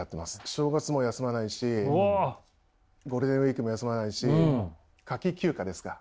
正月も休まないしゴールデンウイークも休まないし夏季休暇ですか？